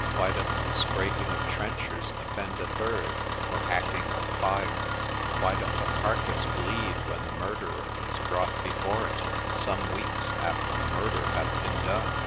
Why doth scraping of trenchers offend a third, or hacking of files? Why doth a carcass bleed when the murderer is brought before it, some weeks after the murder hath been done?